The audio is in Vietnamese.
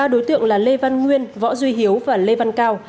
ba đối tượng là lê văn nguyên võ duy hiếu và lê văn cao